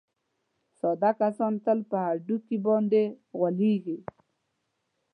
ساده کسان تل په هډوکي باندې غولېږي.